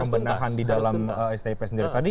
tidak harus sentas